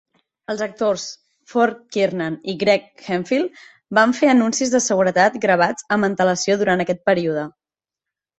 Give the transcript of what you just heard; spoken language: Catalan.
Els actors Ford Kiernan i Greg Hemphill van fer anuncis de seguretat gravats amb antelació durant aquest període.